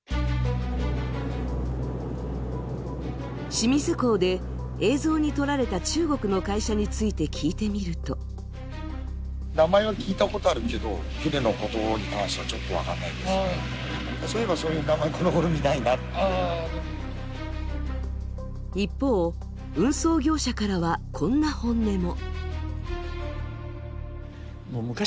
清水港で映像に撮られた中国の会社について聞いてみると一方、運送業者からはこんな本音も。